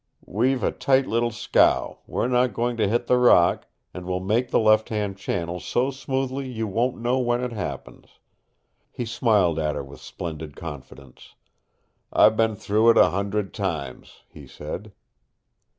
"We've a tight little scow, we're not going to hit the rock, and we'll make the left hand channel so smoothly you won't know when it happens." He smiled at her with splendid confidence. "I've been through it a hundred times," he said.